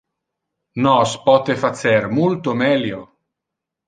Nos pote facer multo melio.